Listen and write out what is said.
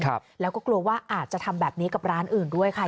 ครับแล้วก็กลัวว่าอาจจะทำแบบนี้กับร้านอื่นด้วยค่ะ